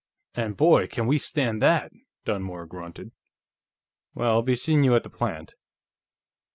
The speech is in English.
"And boy, can we stand that!" Dunmore grunted. "Well, be seeing you at the plant."